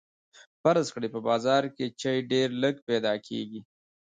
فرض کړئ په بازار کې چای ډیر لږ پیدا کیږي.